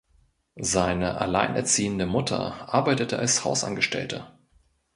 Seine alleinerziehende Mutter arbeitete als Hausangestellte.